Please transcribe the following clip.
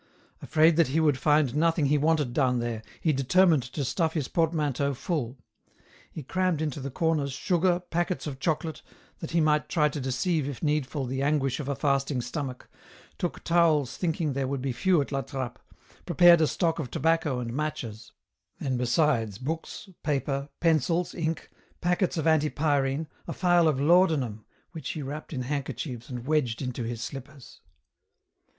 Afraid that he would find nothing he wanted down there, he determined to stuff his portmanteau full ; he crammed into the corners sugar, packets of chocolate, that he might try to deceive if needful the anguish of a fasting stomach, took towels thinking there would be few at La Trappe, prepared a stock of tobacco and matches ; then besides books, paper, pencils, ink, packets of antipyrine, a phial of laudanum, which he wrapped in handkerchiefs and wedged into his slippers.